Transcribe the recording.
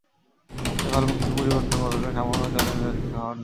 তাই ভাবলাম কিছু পরিবর্তন দরকার, সামান্য চ্যালেঞ্জ আর একটু নির্মল হাওয়া।